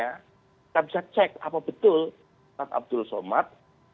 kita bisa cek apa betul ustadz abdul somad